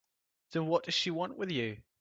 Then what does she want with you?